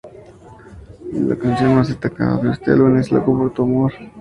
La canción más destacada de este álbum es "Loco por tu amor".